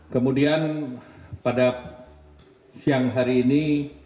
kemudian pada siang hari ini